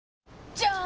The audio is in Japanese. じゃーん！